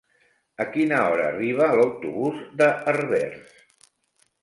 A quina hora arriba l'autobús de Herbers?